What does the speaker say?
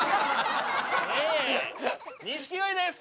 錦鯉です。